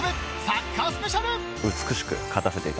サッカースペシャル！